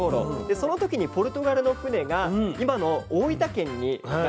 その時にポルトガルの船が今の大分県にたどりつきました。